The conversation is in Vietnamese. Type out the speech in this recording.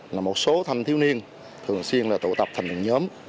là một số thanh thiếu niên thường xuyên là tụ tập thành một nhóm